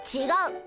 違う。